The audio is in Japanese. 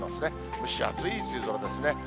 蒸し暑い梅雨空ですね。